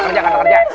kata kerja kata kerja